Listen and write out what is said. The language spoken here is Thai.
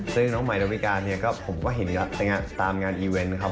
ซึ่งน้องใหม่ดาวิกาเนี่ยก็ผมก็เห็นแล้วตามงานอีเวนต์ครับ